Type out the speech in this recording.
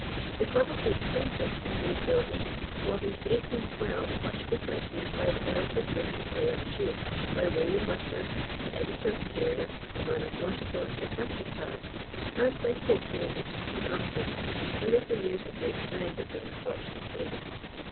The club of "The Eccentrics," in May's Buildings, was, in 1812, much frequented by the eloquent Richard Lalor Sheil, by William Mudford, the editor of the Courier, a man of logical and sarcastic power, and by "Pope Davis," an artist, in later years a great friend of the unfortunate Haydon.